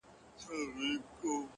ځکه چي ماته يې زړگی ويلی’